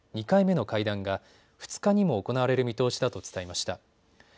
２回目の会談が２日にも行われる見通しだと伝えました。